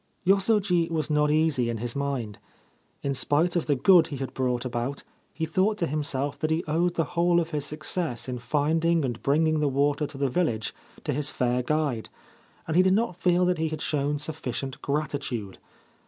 Yosoji was not easy in his mind. In spite of the good he had brought about, he thought to himself that he owed the whole of his success in finding and bringing the water to the village to his fair guide, and he did not feel that he had shown sufficient gratitude.